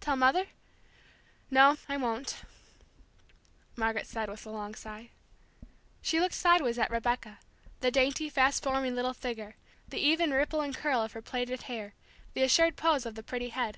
"Tell Mother no, I won't," Margaret said, with a long sigh. She looked sideways at Rebecca, the dainty, fast forming little figure, the even ripple and curl of her plaited hair, the assured pose of the pretty head.